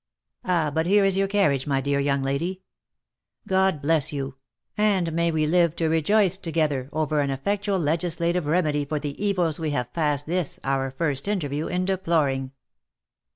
But here is your carriage, my dear young lady ! God bless you ! and may we live to rejoice together over an effectual legislative remedy for the evils we have passed this our first interview in deploring